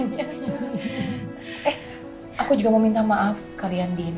eh aku juga mau minta maaf sekalian din